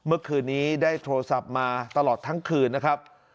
เมื่อคืนนี้ได้โทรศัพท์มาตลอดทั้งคืนนะครับ